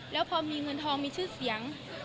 แล้วพอมีเงินทองมีชื่อเสียง